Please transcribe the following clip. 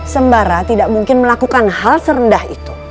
sembara tidak mungkin melakukan hal serendah itu